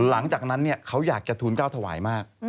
หลังจากนั้นเขาอยากจะทูลก้าวถวายมาก